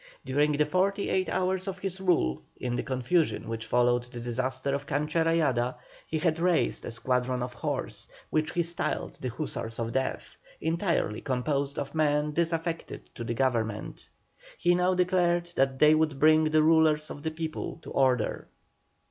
During the forty eight hours of his rule, in the confusion which followed the disaster of Cancha Rayada, he had raised a squadron of horse, which he styled the Hussars of Death, entirely composed of men disaffected to the Government. He now declared that they would bring the rulers of the people to order.